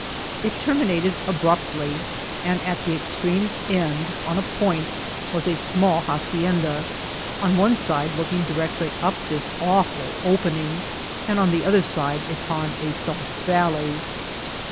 It terminated abruptlyi and at the extreme end, on a point, was a small hacien da, on one side looking directly up this awful opening, and on the other upon a soft yalley.